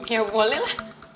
ya boleh lah